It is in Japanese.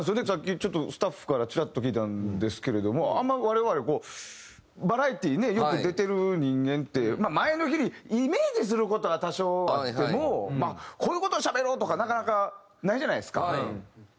さっきちょっとスタッフからちらっと聞いたんですけれどもあんま我々こうバラエティーねよく出てる人間って前の日にイメージする事は多少あってもこういう事をしゃべろうとかなかなかないじゃないですか。